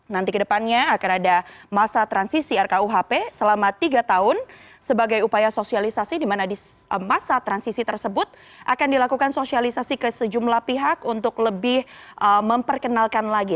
nanti kedepannya akan ada masa transisi rkuhp selama tiga tahun sebagai upaya sosialisasi di mana di masa transisi tersebut akan dilakukan sosialisasi ke sejumlah pihak untuk lebih memperkenalkan lagi